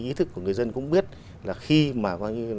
ý thức của người dân cũng biết là khi mà